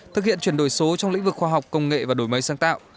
thực hiện chuyển đổi số trong lĩnh vực khoa học công nghệ và đổi mới sáng tạo